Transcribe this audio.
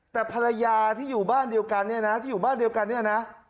แต่ภรรยาที่อยู่บ้างเดียวกันนี่นะ